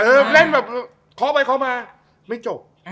เออเล่นแบบคอปไปคอปมาไม่จบ